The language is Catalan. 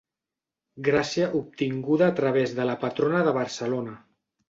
Gràcia obtinguda a través de la patrona de Barcelona.